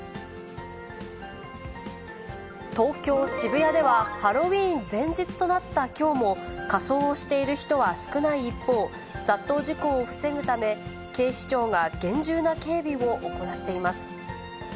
東京・渋谷では、ハロウィーン前日となったきょうも、仮装をしている人は少ない一方、雑踏事故を防ぐため、警視庁が厳重な警備を行っています。